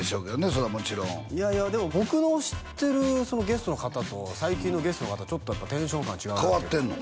そりゃもちろんいやいやでも僕の知ってるそのゲストの方と最近のゲストの方ちょっとやっぱテンション感違うというか変わってんの？